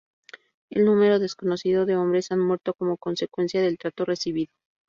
Un número desconocido de hombres han muerto como consecuencia del trato recibido.